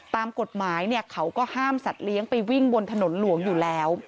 ตามกฎหมายเขาก็ห้ามสัตว์เลี้ยงไปวิ่งบนถนนหลวงอยู่แล้ว